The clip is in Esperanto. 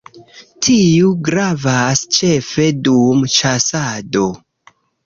Tiu gravas ĉefe dum ĉasado.